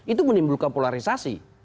itu menimbulkan polarisasi